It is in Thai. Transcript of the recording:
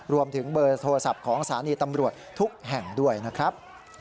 รวมถึงเบอร์โทรศัพท์ของสถานีตำรวจทุกแห่งด้วยนะครับ